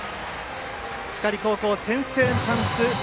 光高校、先制のチャンス